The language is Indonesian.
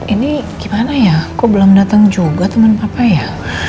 ini gimana ya kok belum datang juga teman papa ya